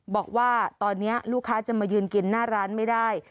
บอกว่าตอนนี้ลูกค้าจะมายืนกินหน้าร้านไม่ได้